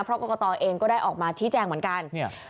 เพราะกรกตเองก็ได้ออกมาชี้แจงเหมือนกันเนี่ย